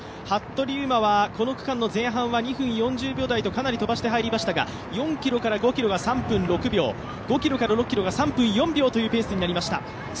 服部勇馬はこの区間の前半は２分４０秒台とかなり飛ばして入りましたが、４ｋｍから５ｋｍが３分６秒、５ｋｍから６ｋｍが３分４秒というペースになりました。